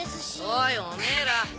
おいおめぇら。